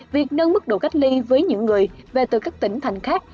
việc nâng mức độ cách ly với những người về từ các tỉnh thành khác